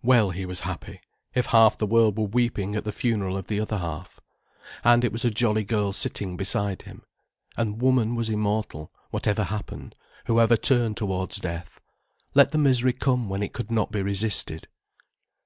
Well he was happy, if half the world were weeping at the funeral of the other half. And it was a jolly girl sitting beside him. And Woman was immortal, whatever happened, whoever turned towards death. Let the misery come when it could not be resisted.